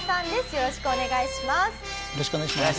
よろしくお願いします。